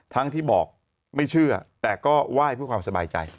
ที่บอกไม่เชื่อแต่ก็ไหว้เพื่อความสบายใจ